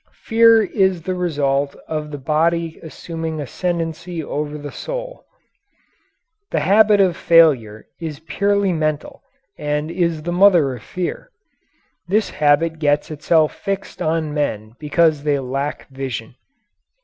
Fear is the result of the body assuming ascendancy over the soul. The habit of failure is purely mental and is the mother of fear. This habit gets itself fixed on men because they lack vision.